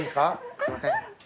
すいません。